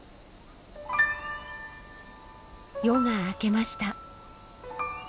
夜が明けました。